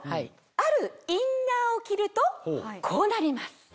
あるインナーを着るとこうなります。